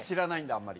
あんまり。